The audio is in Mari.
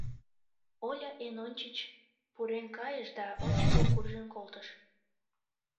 Оля эн ончыч пурен кайыш да ончыко куржын колтыш.